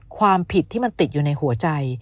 ความผิดที่มันติดอยู่ในหัวใจ